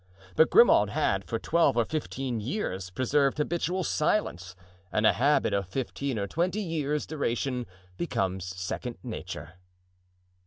But Grimaud had for twelve or fifteen years preserved habitual silence, and a habit of fifteen or twenty years' duration becomes second nature.